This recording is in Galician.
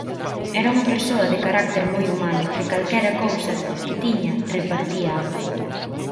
Era unha persoa de carácter moi humano, que calquera cousa que tiña, repartíaa.